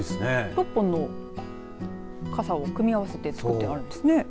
６本の傘を組み合わせて作ってあるんですね。